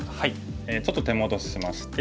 ちょっと手戻ししまして。